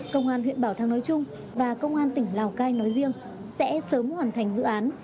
công an huyện bảo thắng nói chung và công an tỉnh lào cai nói riêng sẽ sớm hoàn thành dự án